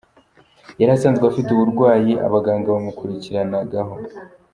Yari asanzwe afite uburwayi abaganga bamukurikiranagaho.